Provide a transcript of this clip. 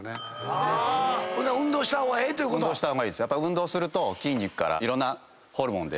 運動すると筋肉からいろんなホルモン出るんですけど。